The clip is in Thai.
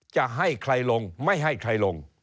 จะให้ใครลงไม่ให้ใครลง